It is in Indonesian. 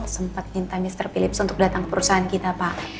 sempat minta mr philips untuk datang ke perusahaan kita pak